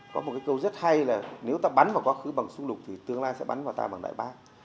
có một cái câu rất hay là nếu ta bắn vào quá khứ bằng xung lục thì tương lai sẽ bắn vào ta bằng đại bác